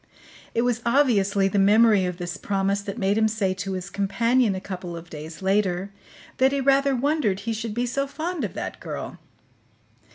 It was obviously the memory of this promise that made him say to his companion a couple of days later that he rather wondered he should be so fond of that girl.